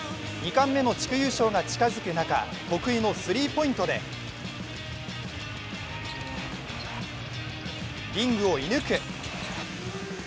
２冠目の地区優勝が近づく中、得意のスリーポイントでリングを射抜く！